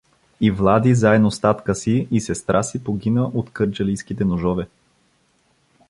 — И Влади заедно с татка си и сестра си погина от кърджалийските ножове!